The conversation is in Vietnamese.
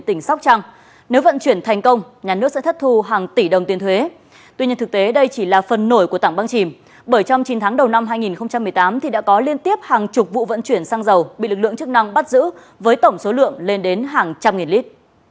tuy nhiên thực tế đây chỉ là phần nổi của tảng băng chìm bởi trong chín tháng đầu năm hai nghìn một mươi tám thì đã có liên tiếp hàng chục vụ vận chuyển xăng dầu bị lực lượng chức năng bắt giữ với tổng số lượng lên đến hàng trăm nghìn lít